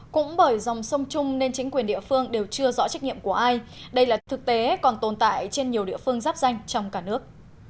cũng bởi dòng sông chung nên chính quyền địa phương đều chưa rõ trách nhiệm của ai đây là thực tế còn tồn tại trên nhiều địa phương giáp danh trong cả nước